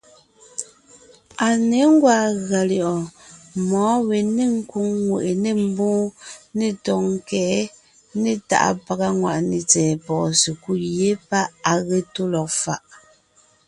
À ně gwàa gʉa lyɛ̌ʼɔɔn mɔ̌ɔn we nêŋ nkwòŋ ŋweʼe, nê mbwóon, nê tɔ̌ɔnkě né tàʼa pàga ŋwàʼne tsɛ̀ɛ pɔ̀ɔn sekúd yé páʼ à ge tó lɔg faʼ.